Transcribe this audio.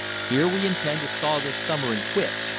Here we intend to saw this summer and quit.